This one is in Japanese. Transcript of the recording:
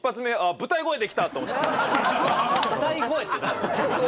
舞台声っていう。